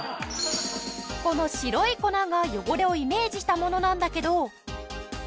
この白い粉が汚れをイメージしたものなんだけど。